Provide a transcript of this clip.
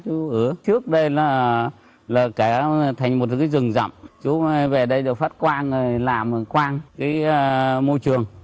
trước đây là thành một cái rừng rậm chú về đây rồi phát quang làm quang cái môi trường